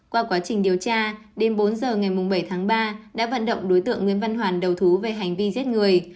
qua quá trình điều tra đêm bốn giờ ngày bảy tháng ba đã vận động đối tượng nguyễn văn hoàn đầu thú về hành vi giết người